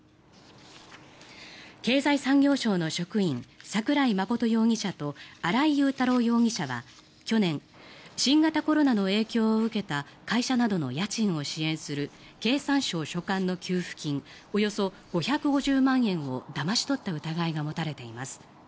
経済産業省の職員桜井真容疑者と新井雄太郎容疑者は去年、新型コロナの影響を受けた会社などの家賃を支援する経産省所管の給付金およそ５５０万円をだまし取った疑いが持たれています。